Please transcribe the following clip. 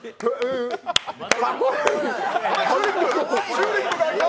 チューリップや。